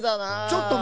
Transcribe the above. ちょっと！